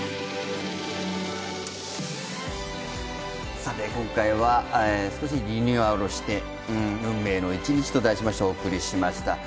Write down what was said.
さて今回は少しリニューアルして「運命の１日」と題してお送りいたしました。